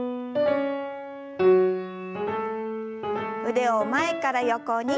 腕を前から横に。